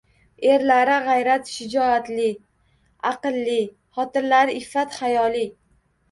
Erlari g‘ayrat-shijoatli, aqlli, xotinlari iffat-hayoli